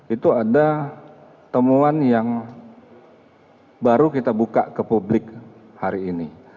itu ada temuan yang baru kita buka ke publik hari ini